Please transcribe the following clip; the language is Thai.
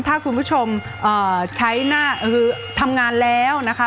ถ้าคุณผู้ชมใช้หน้าทำงานแล้วนะคะ